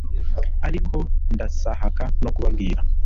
ariko ndasahaka no kubabwira